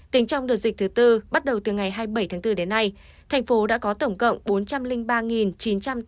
tính trong đợt dịch thứ bốn bắt đầu từ ngày hai mươi bảy bốn đến nay tp hcm đã có tổng cộng bốn trăm linh ba ca bệnh